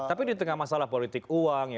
tapi di tengah masalah politik uang